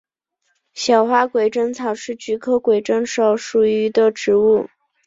小花鬼针草是菊科鬼针草属的植物。